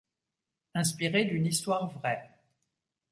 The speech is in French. Inspiré d’une histoire vraie.